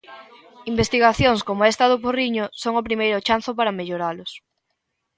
Investigacións coma esta do Porriño son o primeiro chanzo para melloralos.